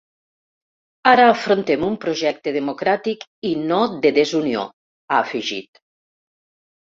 Ara afrontem un projecte democràtic i no de desunió, ha afegit.